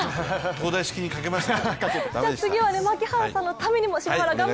東大式に賭けました。